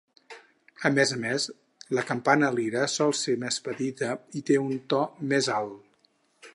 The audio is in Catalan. A més a més, la campana lira sol ser més petita i té un to més alt.